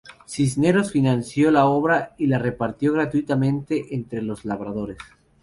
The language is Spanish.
Cisneros financió la obra y la repartió gratuitamente entre los labradores.